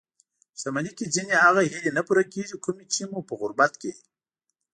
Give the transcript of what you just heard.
شتمني کې ځينې هغه هیلې نه پوره کېږي؛ کومې چې مو په غربت کې